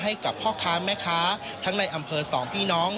ให้กับพ่อค้าแม่ค้าทั้งในอำเภอสองพี่น้อง